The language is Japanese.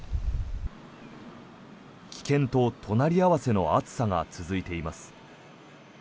危険と隣り合わせの暑さが続いています。